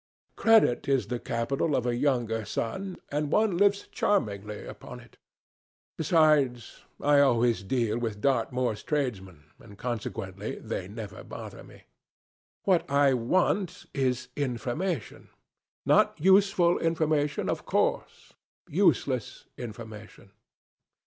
Credit is the capital of a younger son, and one lives charmingly upon it. Besides, I always deal with Dartmoor's tradesmen, and consequently they never bother me. What I want is information: not useful information, of course; useless information."